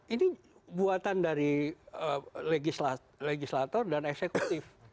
ini buatan dari legislator dan eksekutif